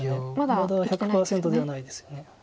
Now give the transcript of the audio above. まだ１００％ではないですよね。